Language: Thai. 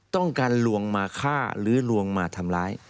ต้องการลวงมาฆ่าหรือลวงมาทำร้าย